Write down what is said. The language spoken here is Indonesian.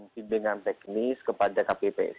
pindangan teknis kepada kpps